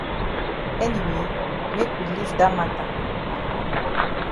Anyway make we leave dat mata.